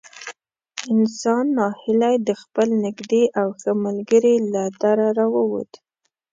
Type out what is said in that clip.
انسان نا هیلی د خپل نږدې او ښه ملګري له دره را ووت.